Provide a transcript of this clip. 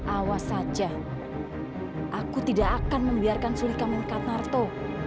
awas saja aku tidak akan membiarkan sulit kamu dekat naruto